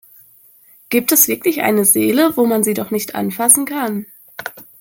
Gibt es wirklich eine Seele, wo man sie doch nicht anfassen kann?